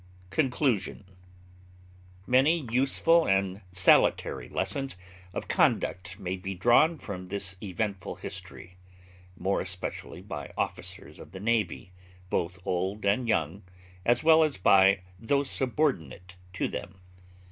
CONCLUSION Many useful and salutary lessons of conduct may be drawn from this eventful history, more especially by officers of the navy, both old and young, as well as by those subordinate to them.